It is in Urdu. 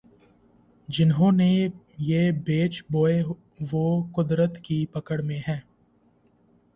جنہوں نے یہ بیج بوئے وہ قدرت کی پکڑ میں ہیں۔